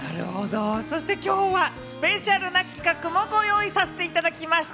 そして今日はスペシャルな企画もご用意させていただきました。